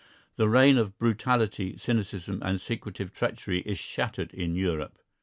The reign of brutality, cynicism, and secretive treachery is shattered in Europe.